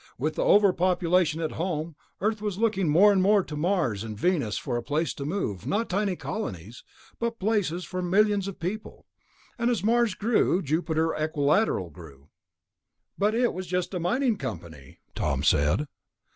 With the overpopulation at home, Earth was looking more and more to Mars and Venus for a place to move ... not tiny colonies, but places for millions of people. And as Mars grew, Jupiter Equilateral grew." "But it was just a mining company," Tom said.